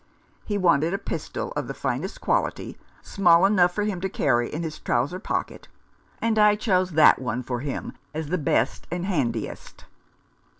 He wanted a pistol of the finest quality, small enough for him to carry in his trouser pocket, and I chose that one for him as the best and handiest."